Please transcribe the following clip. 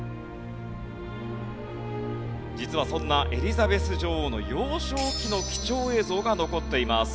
実はそんなエリザベス女王の幼少期の貴重映像が残っています。